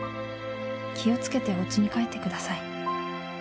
「気をつけておうちに帰ってください」